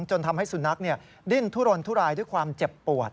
จนทำให้สุนัขดิ้นทุรนทุรายด้วยความเจ็บปวด